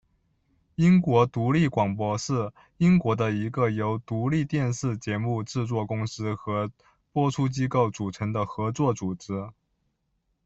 英国独立广播是英国的一个由独立电视节目制作公司和播出机构组成的合作组织。